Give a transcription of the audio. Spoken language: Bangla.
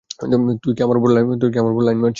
তুই কি আমার উপর লাইন মারছিস?